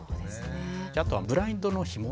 あとはブラインドのひも。